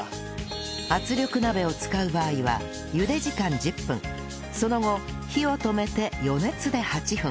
圧力鍋を使う場合は茹で時間１０分その後火を止めて余熱で８分